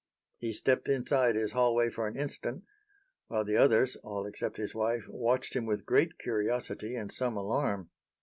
He stepped inside his hallway for an instant, while the others, all except his wife, watched him with great curiosity and some alarm.